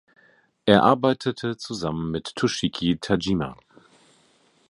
Er arbeitete zusammen mit Toshiki Tajima.